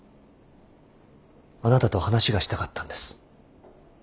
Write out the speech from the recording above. あなたと話がしたかったんです。